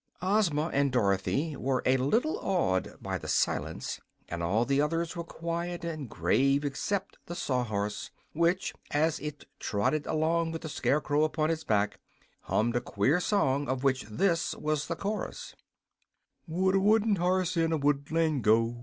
Ozma and Dorothy were a little awed by the silence, and all the others were quiet and grave except the Sawhorse, which, as it trotted along with the Scarecrow upon his back, hummed a queer song, of which this was the chorus: "Would a wooden horse in a woodland go?